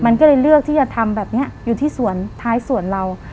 มันก็เลยเลือกที่จะทำแบบนี้อยู่ที่สวนท้ายสวนเรา